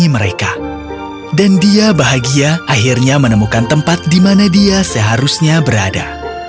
maka elsa mulai tinggal bersama sama